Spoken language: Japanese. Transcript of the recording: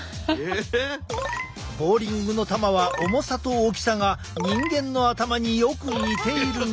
ボウリングの球は重さと大きさが人間の頭によく似ているのだ。